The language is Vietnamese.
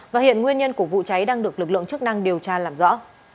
và hiện nguyên nhân của vụ cháy đang được lực lượng chức năng điều tra làm rõ